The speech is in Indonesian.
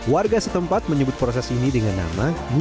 warga setempat menyebut proses ini dengan nama